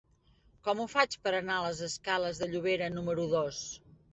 Com ho faig per anar a la escales de Llobera número dos?